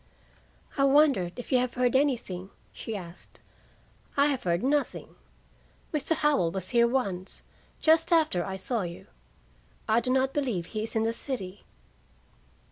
"I wondered if you have heard anything?" she asked. "I have heard nothing. Mr. Howell was here once, just after I saw you. I do not believe he is in the city.